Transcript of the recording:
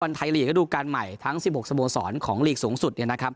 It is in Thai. วันไทยลีกดูการใหม่ทั้ง๑๖สโมสรของลีกสูงสุด